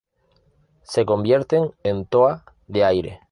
Se convierten en Toa de aire.